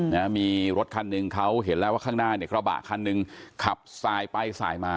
นะมีรถคันหนึ่งเขาเห็นแล้วว่าข้างหน้าเนี่ยกระบะคันหนึ่งขับสายไปสายมา